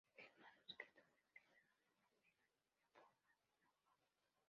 El manuscrito fue escrito en papiro en forma de una hoja.